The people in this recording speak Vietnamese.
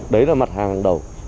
đấy là mặt hàng đầu